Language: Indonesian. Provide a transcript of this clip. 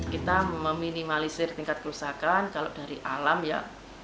kita meminimalisir tingkat kerusakan kalau dari alam ya